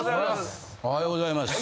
おはようございます。